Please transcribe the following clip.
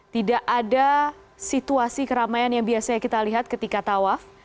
tidak ada situasi keramaian yang biasanya kita lihat ketika tawaf